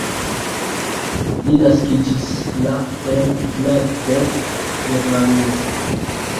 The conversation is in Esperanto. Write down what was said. Li naskiĝis la en Gladbeck, Germanio.